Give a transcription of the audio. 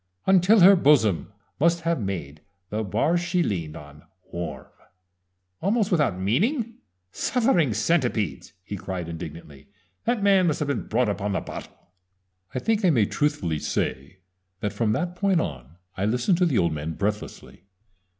"Until her bosom must have made The bar she leaned on warm almost without meaning! Suffering Centipedes!" he cried indignantly. "That man must have been brought up on the bottle!" I think I may truthfully say that from that point on I listened to the old man breathlessly.